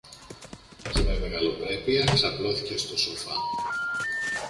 Και με μεγαλοπρέπεια ξαπλώθηκε στο σοφά.